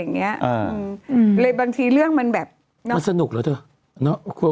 อย่างเงี้ยอืมอืมเลยบางทีเรื่องมันแบบมันสนุกเหรอเธอเนอะ